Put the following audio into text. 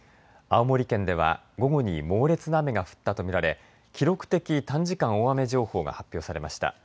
青森県では午後に猛烈な雨が降ったと見られ記録的短時間大雨情報が発表されました。